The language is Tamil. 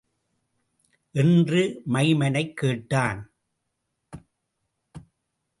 என்று மைமனைக் கேட்டான்.